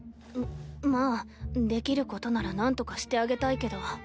ままあできることならなんとかしてあげたいけど。